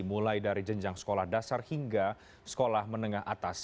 mulai dari jenjang sekolah dasar hingga sekolah menengah atas